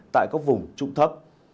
tại các vùng trụng thấp